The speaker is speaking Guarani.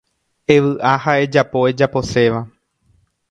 Evy'a ha ejapo ejaposéva.